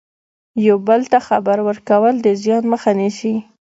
یو بل ته خبر ورکول د زیان مخه نیسي.